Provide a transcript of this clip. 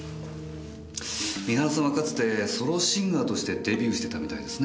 三原さんはかつてソロシンガーとしてデビューしてたみたいですね。